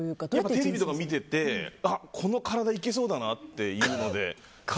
テレビとか見ていてこの体、いけそうだというので。